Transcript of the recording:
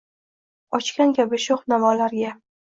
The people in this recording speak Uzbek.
Ochgan kabi shoʻx navolarga –